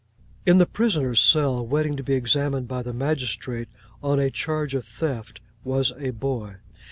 In the prisoner's cell, waiting to be examined by the magistrate on a charge of theft, was a boy.